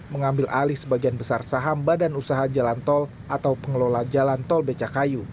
mengambil alih sebagian besar saham badan usaha jalan tol atau pengelola jalan tol becakayu